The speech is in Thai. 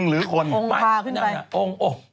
องค์พากลงขึ้นไปงั้นองค์